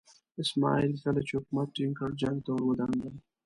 اسماعیل کله چې حکومت ټینګ کړ جنګ ته ور ودانګل.